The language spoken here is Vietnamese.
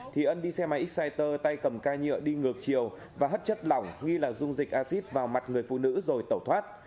thì ân đi xe máy exciter tay cầm ca nhựa đi ngược chiều và hấp chất lỏng nghi là dung dịch acid vào mặt người phụ nữ rồi tẩu thoát